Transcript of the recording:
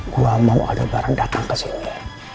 gua mau ada barang datang kesini